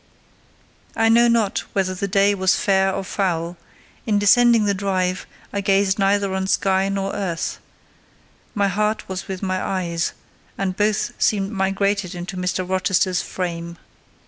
I know not whether the day was fair or foul; in descending the drive, I gazed neither on sky nor earth: my heart was with my eyes; and both seemed migrated into Mr. Rochester's frame.